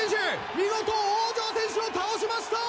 見事王城選手を倒しました！